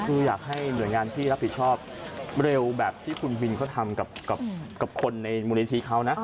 คืออยากให้หน่วยงานที่รับผิดชอบเร็วแบบที่คุณบินเขาทำกับคนในมูลนิธิเขานะ